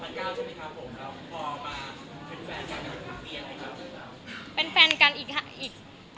แล้วพอมาเป็นแฟนกันยังเป็นกับตั้งปีไหมครับ